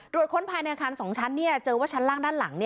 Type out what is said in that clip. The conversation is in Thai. ค้นภายในอาคาร๒ชั้นเจอว่าชั้นล่างด้านหลัง